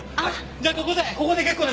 じゃあここで！